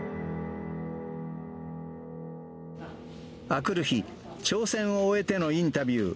あくる日、挑戦を終えてのインタビュー。